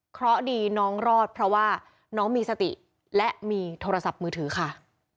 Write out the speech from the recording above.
เพราะดีน้องรอดเพราะว่าน้องมีสติและมีโทรศัพท์มือถือค่ะ